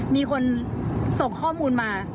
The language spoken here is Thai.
มีคนส่งข้อมูลมา